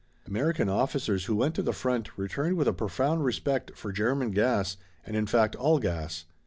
American officers who went to the front returned with a profound respect for German gas and, in fact, all gas.